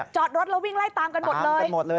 จอดรถแล้ววิ่งไล่ตามกันหมดเลย